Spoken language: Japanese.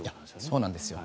そうなんですよ。